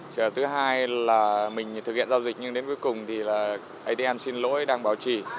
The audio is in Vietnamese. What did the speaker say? trường thứ hai là mình thực hiện giao dịch nhưng đến cuối cùng thì là adn xin lỗi đang bảo trì